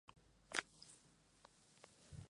Le Bignon-Mirabeau